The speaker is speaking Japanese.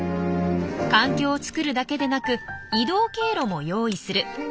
環境を作るだけでなく移動経路も用意する。